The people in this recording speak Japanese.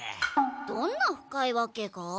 どんな深いわけが？